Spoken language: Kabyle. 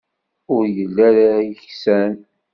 Ur yelli ara yeksan.